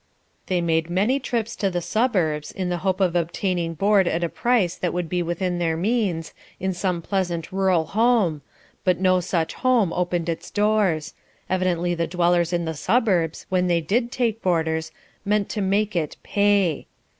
They made many trips to the suburbs in the hope of obtaining board at a price that would be within their means, in some pleasant rural home, but no such home opened its doors; evidently the dwellers in the suburbs, when they did take boarders, meant to make it "pay."